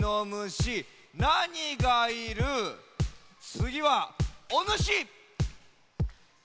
つぎはおぬし。